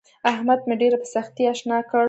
احمد مې ډېره په سختي اشنا کړ.